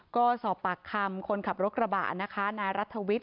ก็สอบปากคำคนขับรถกระบะนะคะนายรัฐวิทย